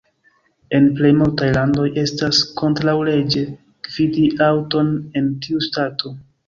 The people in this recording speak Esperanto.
En plej multaj landoj, estas kontraŭleĝe gvidi aŭton en tiu stato.